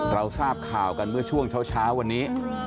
เราทราบข่าวกันเมื่อช่วงเช้าวันนี้